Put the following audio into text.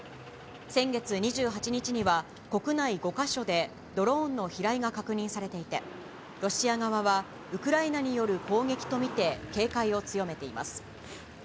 先月２８日には、国内５か所でドローンの飛来が確認されていて、ロシア側はウクライナによる攻撃と見て警戒を強めています。